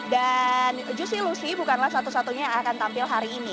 dan juicy lucy bukanlah satu satunya yang akan tampil hari ini